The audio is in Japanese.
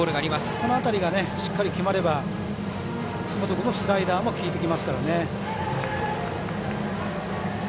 この辺りがしっかり決まれば楠本君のスライダーも効いてきますからね。